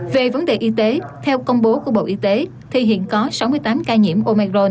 về vấn đề y tế theo công bố của bộ y tế thì hiện có sáu mươi tám ca nhiễm omer